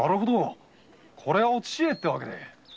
これはお父上ってわけで。